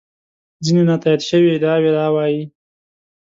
ځینې نا تایید شوې ادعاوې دا وایي.